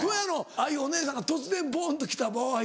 ああいうお姉さんが突然ボンときた場合は。